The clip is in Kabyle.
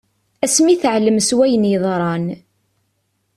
Asmi i teɛllem s wayen yeḍran.